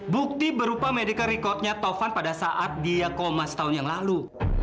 bukti berupa medical recordnya tovan pada saat dia koma setahun yang lalu